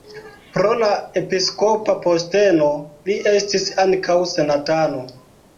Pro la episkopa posteno li estis ankaŭ senatano.